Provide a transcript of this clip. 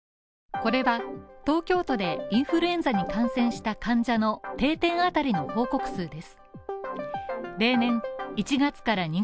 これは、東京都でインフルエンザに感染した患者の定点当たりの報告数です。